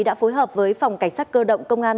đã phối hợp với phòng cảnh sát cơ động công an